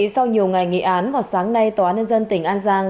sau nhiều ngày nghị án vào sáng nay tòa án nhân dân tỉnh an giang